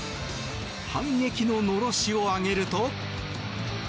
反撃ののろしを上げると。